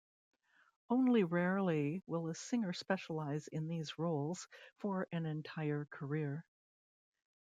Only rarely will a singer specialize in these roles for an entire career.